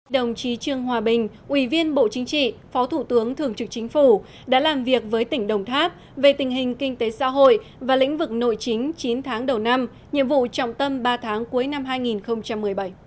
đồng chí trương hòa bình ủy viên bộ chính trị phó thủ tướng thường trực chính phủ đã làm việc với tỉnh đồng tháp về tình hình kinh tế xã hội và lĩnh vực nội chính chín tháng đầu năm nhiệm vụ trọng tâm ba tháng cuối năm hai nghìn một mươi bảy